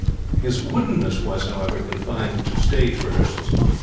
His woodenness was, however, confined to stage rehearsals.